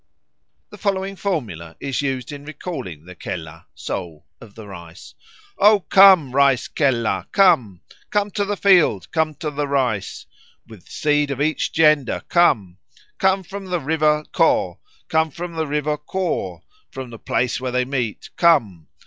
The following formula is used in recalling the kelah (soul) of the rice: "O come, rice kelah, come! Come to the field. Come to the rice. With seed of each gender, come. Come from the river Kho, come from the river Kaw; from the place where they meet, come.